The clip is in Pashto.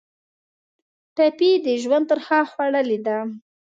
ټپي د ژوند ترخه خوړلې ده.